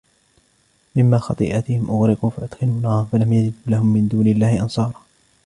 مِمَّا خَطِيئَاتِهِمْ أُغْرِقُوا فَأُدْخِلُوا نَارًا فَلَمْ يَجِدُوا لَهُمْ مِنْ دُونِ اللَّهِ أَنْصَارًا